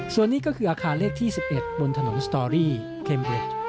ส่วนนี้ก็คืออาคารเลขที่๑๑บนถนนสตอรี่เคมเร็ด